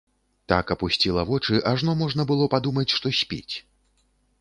Так апусціла вочы, ажно можна было падумаць, што спіць.